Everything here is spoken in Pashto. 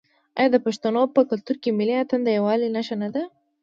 آیا د پښتنو په کلتور کې ملي اتن د یووالي نښه نه ده؟